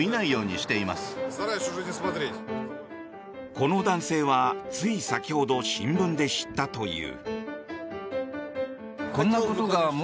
この男性はつい先ほど新聞で知ったという。